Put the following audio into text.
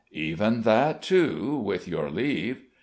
"Even that too, with your leave."